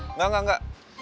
enggak enggak enggak